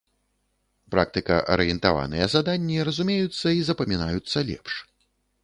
Практыка-арыентаваныя заданні разумеюцца і запамінаюцца лепш.